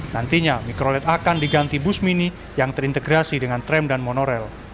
nantinya mikrolet akan diganti bus mini yang terintegrasi dengan tram dan monorail